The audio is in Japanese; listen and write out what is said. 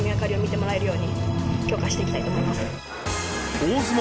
大相撲